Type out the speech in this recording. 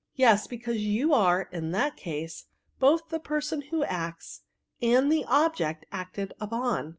*' Yes, because you are, in that case, both the person who acts and the object acted upon.